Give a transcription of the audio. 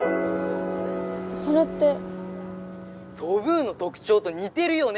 それって☎ソブーの特徴と似てるよね！